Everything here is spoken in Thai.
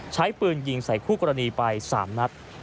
ใช้ปืนยิงใส่คู่กรณีไป๓นัด